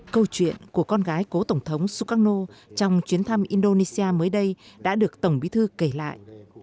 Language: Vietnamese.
câu chuyện của con gái cố tổng thống sukarno trong chuyến thăm indonesia mới đây đã được tổng bí thư kể lại